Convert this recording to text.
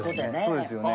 そうですよね。